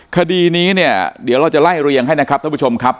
คดีนี้เนี่ยเดี๋ยวเราจะไล่เรียงให้นะครับท่านผู้ชมครับ